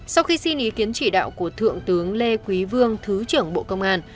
sau khi xin ý kiến chỉ đạo của thượng tướng lê quý vương thứ trưởng bộ công an